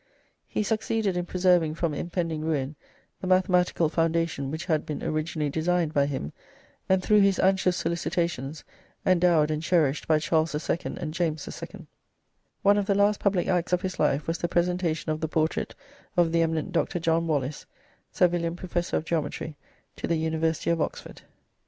He succeeded in preserving from impending ruin the mathematical foundation which had been originally designed by him, and through his anxious solicitations endowed and cherished by Charles II. and James II. One of the last public acts of his life was the presentation of the portrait of the eminent Dr. John Wallis, Savilian Professor of Geometry, to the University of Oxford.